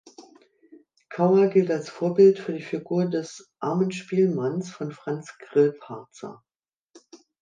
Kauer gilt als Vorbild für die Figur des „Armen Spielmanns“ von Franz Grillparzer.